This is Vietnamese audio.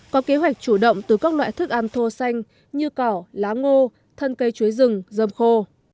có kế hoạch chủ động từ các loại thức ăn thô xanh như cỏ lá ngô thân cây chuối rừng dơm khô